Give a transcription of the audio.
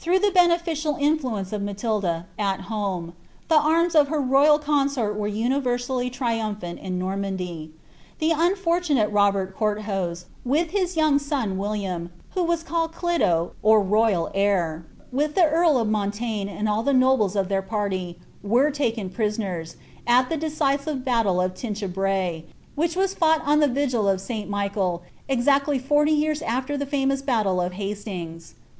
the beneficial influence of Maiiiila, at home, the arms of hef royul consort were universally triunipliani in Normandy. The unfo^ timale Robert Coutthose, with his young son William, (who was callsd Clito, or royal heir,) with the earl of Montaigne and all the nobles of their party, were taken prisoners, at the decisive battle of I'inchebny, which was fought on the vigil of St. Michael, exactly forty years after the famous batde of Hastings.